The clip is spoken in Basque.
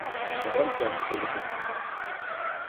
Garrantzi handiko hiru puntu.